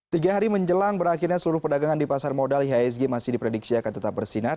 tiga hari menjelang berakhirnya seluruh perdagangan di pasar modal ihsg masih diprediksi akan tetap bersinar